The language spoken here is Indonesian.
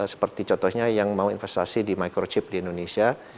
seperti contohnya yang mau investasi di microchip di indonesia